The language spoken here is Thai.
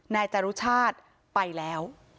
นายจรุชาติไปแล้ว